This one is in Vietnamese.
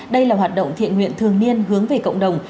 đây là hoạt động thiện nguyện thường niên hướng về cộng đồng